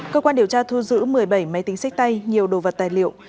cơ quan điều tra thu giữ một mươi bảy máy tính sách tay nhiều đồ vật tài liệu